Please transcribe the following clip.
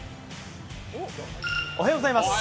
おはようございます。